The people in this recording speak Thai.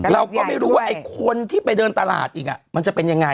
เราก็ไม่รู้ว่าไอ้คนที่ไปเดินตลาดอีกมันจะเป็นยังไง